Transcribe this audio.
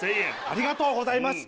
ありがとうございます